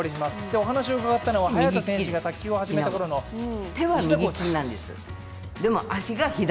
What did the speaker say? お話を伺ったのは早田選手が卓球を始めたころの石田コーチ。